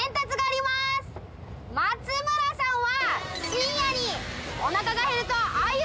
松村さんは。